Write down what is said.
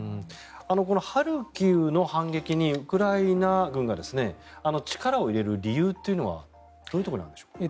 このハルキウの反撃にウクライナ軍が力を入れる理由というのはどういうところにあるのでしょうか。